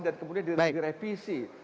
dan kemudian direvisi